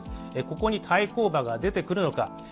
ここに対抗馬が出てくるのか。